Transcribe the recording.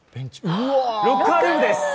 ロッカールームです。